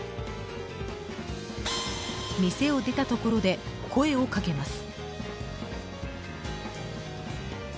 店を出たところで声をかけます。